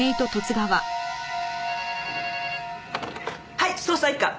はい捜査一課。